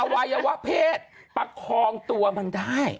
วัยวะเพศประคองตัวมันได้